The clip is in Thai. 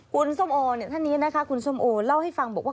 คุณส้มโอท่านนี้นะคะคุณส้มโอเล่าให้ฟังบอกว่า